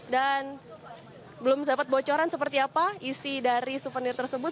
dan belum dapat bocoran seperti apa isi dari souvenir tersebut